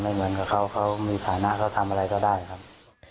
เหมือนกับเขาเขามีฐานะเขาทำอะไรก็ได้ครับ